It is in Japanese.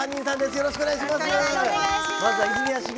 よろしくお願いします。